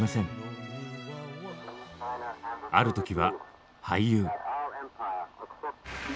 ある時は俳優。